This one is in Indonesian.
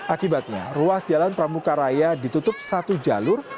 akibatnya ruas jalan pramuka raya ditutup satu jalur